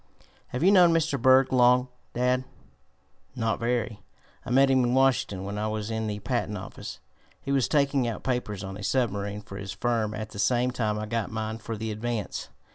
"Have you known Mr. Berg long, dad?" "Not very. I met him in Washington when I was in the patent office. He was taking out papers on a submarine for his firm at the same time I got mine for the Advance.